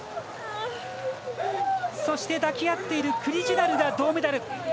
そして、抱き合っているクリジュナルが銅メダル。